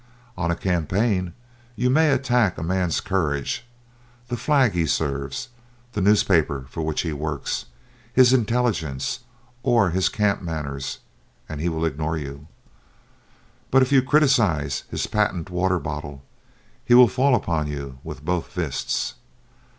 On a campaign, you may attack a man's courage, the flag he serves, the newspaper for which he works, his intelligence, or his camp manners, and he will ignore you; but if you criticise his patent water bottle he will fall upon you with both fists.